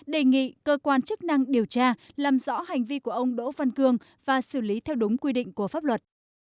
đề nghị cơ quan chức năng điều tra làm rõ hành vi của ông đỗ văn cương và xử lý theo đúng quy định của pháp luật